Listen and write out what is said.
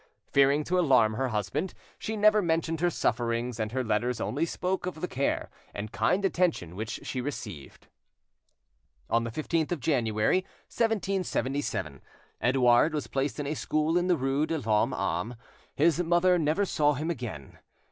Fearing to alarm her husband, she never mentioned her sufferings, and her letters only spoke of the care and kind attention which she received. On the 15th of January, 1777, Edouard was placed in a school in the rue de l'Homme Arme. His mother never saw him again.